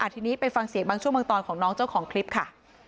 ทีนี้ไปฟังเสียงบางช่วงบางตอนของน้องเจ้าของคลิปค่ะ